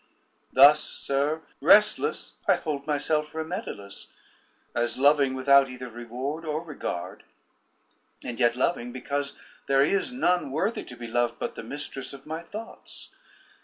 Thus, sir, restless I hold myself remediless, as loving without either reward or regard, and yet loving because there is none worthy to be loved but the mistress of my thoughts.